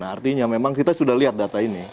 nah artinya memang kita sudah lihat data ini